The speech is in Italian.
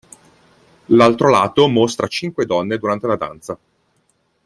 L'altro lato mostra cinque donne durante una danza.